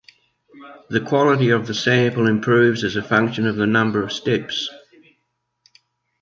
The quality of the sample improves as a function of the number of steps.